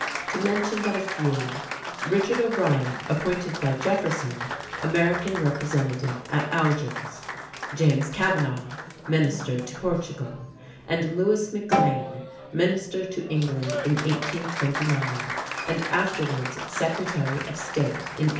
To mention but a few: Richard O'Brien, appointed by Jefferson American representative at Algiers; James Kavanagh, Minister to Portugal; and Louis McLane, Minister to England in 1829 and afterwards Secretary of State in 1832.